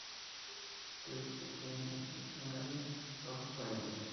The Penguin Dictionary of Saints.